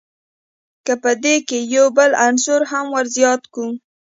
که په دې کښي یو بل عنصر هم ور زیات کو.